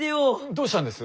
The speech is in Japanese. どうしたんです？